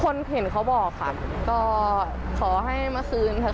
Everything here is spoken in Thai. คนเห็นเขาบอกค่ะก็ขอให้มาคืนค่ะ